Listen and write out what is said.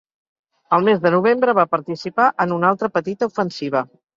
El mes de novembre va participar en una altra petita ofensiva.